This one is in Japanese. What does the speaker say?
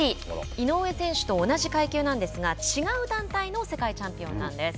井上選手と同じ階級なんですが違う団体の世界チャンピオンなんです。